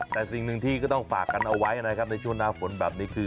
แต่สิ่งหนึ่งที่ก็ต้องฝากกันเอาไว้นะครับในช่วงหน้าฝนแบบนี้คือ